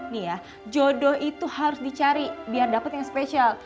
nih ya jodoh itu harus dicari biar dapat yang spesial